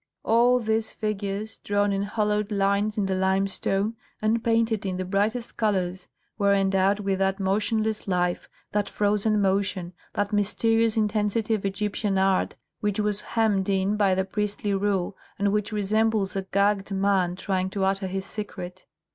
All these figures, drawn in hollowed lines in the limestone and painted in the brightest colours, were endowed with that motionless life, that frozen motion, that mysterious intensity of Egyptian art, which was hemmed in by the priestly rule, and which resembles a gagged man trying to utter his secret.